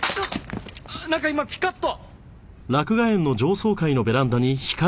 なんか今ピカッと。